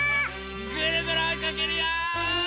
ぐるぐるおいかけるよ！